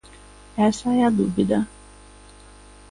Esa é a dúbida.